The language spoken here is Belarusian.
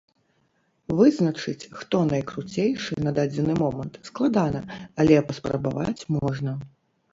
Вызначыць, хто найкруцейшы на дадзены момант, складана, але паспрабаваць можна.